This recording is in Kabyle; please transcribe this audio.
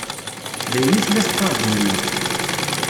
D ayen i tella teqqar-d yemma.